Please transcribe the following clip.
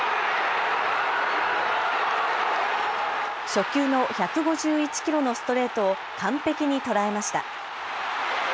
初球の１５１キロのストレートを完璧に捉えました。